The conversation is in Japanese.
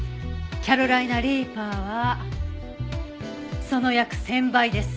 キャロライナ・リーパーはその約１０００倍です。